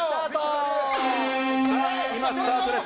今、スタートです。